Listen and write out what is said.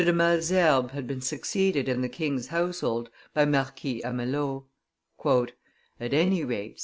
de Malesherbes had been succeeded in the king's household by Marquis Amelot. "At any rate," said M.